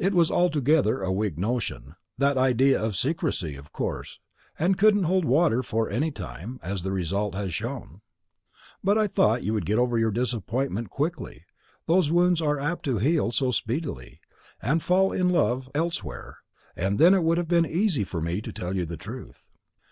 It was altogether a weak notion, that idea of secrecy, of course, and couldn't hold water for any time, as the result has shown; but I thought you would get over your disappointment quickly those wounds are apt to heal so speedily and fall in love elsewhere; and then it would have been easy for me to tell you the truth.